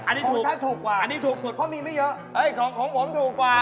อันนี้ถูกอันนี้ถูกสุดเพราะมีไม่เยอะของชั้นถูกกว่า